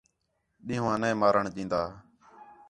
ݙِین٘ہوں آ نے مارݨ ݙین٘دا